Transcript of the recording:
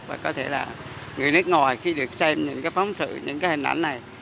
và có thể là người nước ngoài khi được xem những phóng thử những hình ảnh này